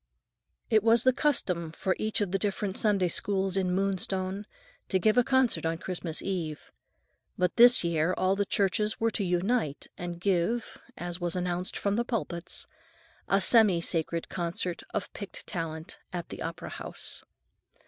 It was the custom for each of the different Sunday Schools in Moonstone to give a concert on Christmas Eve. But this year all the churches were to unite and give, as was announced from the pulpits, "a semi sacred concert of picked talent" at the opera house.